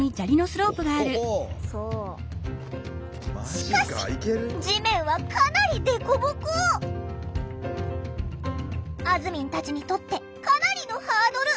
しかしあずみんたちにとってかなりのハードル！